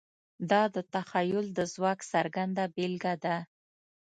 دا د تخیل د ځواک څرګنده بېلګه ده.